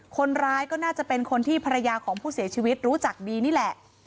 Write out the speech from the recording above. คนร้ายก็น่าจะเป็นคนที่ภรรยาของผู้เสียชีวิตรู้จักดีนี่แหละ